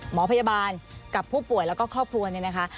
หมอพยาบาลกับผู้ป่วยแล้วก็ครอบครัวเนี่ยนะคะ